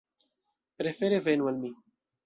Prefere venu al mi.